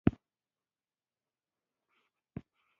باغوان له باغ څخه تازه مڼی راشکولی دی.